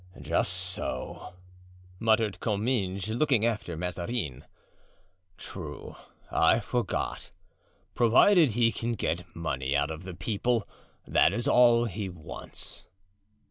"Just so," muttered Comminges, looking after Mazarin. "True, I forgot; provided he can get money out of the people, that is all he wants."